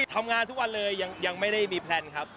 ทำงานทุกวันเลยยังไม่ได้มีแพลนครับ